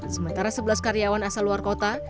sementara sebelas karyawan asal luar kota